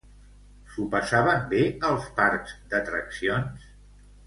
S'ho passaven bé als parcs d'atraccions?